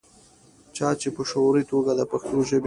چا چې پۀ شعوري توګه دَپښتو ژبې